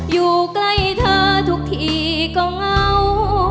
อยู่ใกล้เธอทุกทีก็เงา